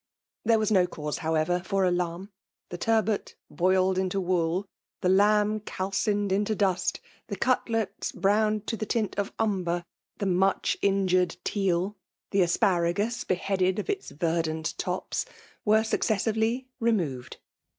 There Ivas no cause, however, for alarm : the turbot boiled into wool — the lamb calcined into dust « the cutlets browned to the tint of umber— i the* much injUred teal — the asparagus be headed of its verdant tops^ were successively removed.